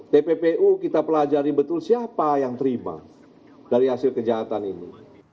tppu kita pelajari betul siapa yang terima dari hasil kejahatan ini